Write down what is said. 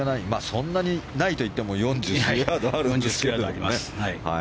そんなにないといっても４３ヤードあるんですけどね。